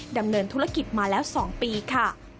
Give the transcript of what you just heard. ดำเนินธุรกิจมาแล้ว๒ปีค่ะ